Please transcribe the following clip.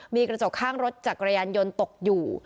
มีกระจกข้างรถจักรยานยนต์ตกอยู่